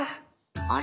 あれ？